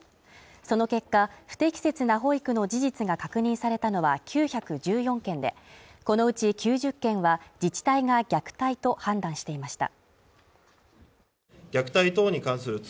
その結果、不適切な保育の事実が確認されたのは９１４件でこのうち９０件は自治体が虐待と判断していました。